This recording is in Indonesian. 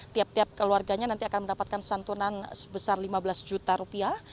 tiap tiap keluarganya nanti akan mendapatkan santunan sebesar lima belas juta rupiah